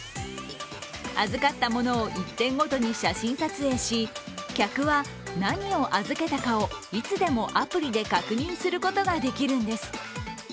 預かったものを１点ごとに写真撮影し客は何を預けたかをいつでもアプリで確認することができるんです。